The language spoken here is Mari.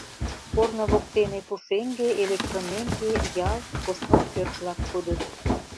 Корно воктене пушеҥге, электромеҥге, ял, посна пӧрт-влак кодыт.